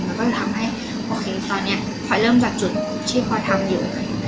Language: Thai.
แล้วก็ทำให้โอเคตอนนี้พลอยเริ่มจากจุดที่พลอยทำอยู่